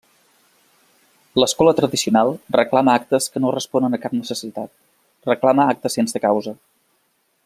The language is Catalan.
L’escola tradicional reclama actes que no responen a cap necessitat, reclama actes sense causa.